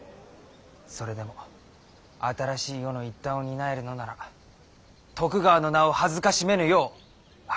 それでも新しい世の一端を担えるのなら徳川の名を辱めぬよう励みたい。